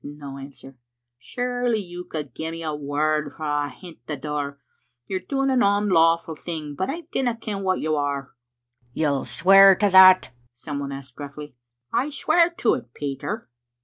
" No answer. " Surely you could gie me a word frae ahint the door. You're doing an onlawful thing, but I dinna ken wha you are." " You'll swear to that?" some one asked gruffly. "I swear to it, Peter."